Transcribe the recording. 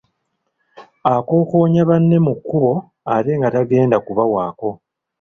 Akokoonya banne mu kkubo ate nga tategenda kubawaako.